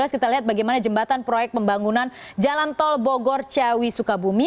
kita lihat bagaimana jembatan proyek pembangunan jalan tol bogor ciawi sukabumi